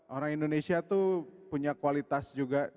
orang indonesia tuh punya kualitas juga